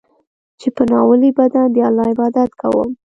چې په ناولي بدن د الله عبادت کوم.